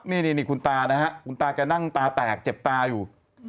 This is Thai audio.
นี่คุณตานะฮะคุณตาแกนั่งตาแตกเจ็บตาอยู่